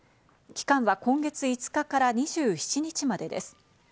期間は今月５日から２７日までです。